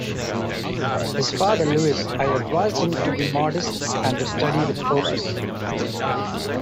His father Luis I advised him to be modest and to study with focus.